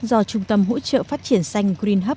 do trung tâm hỗ trợ phát triển xanh green hub